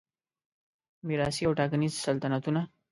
میراثي او ټاکنیز سلطنتونه